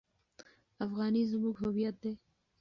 افغانۍ زموږ هویت دی.